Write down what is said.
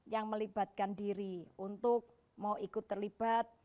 yang melibatkan diri untuk mau ikut terlibat